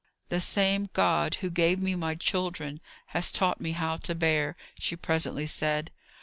"The same God who gave me my children, has taught me how to bear," she presently said.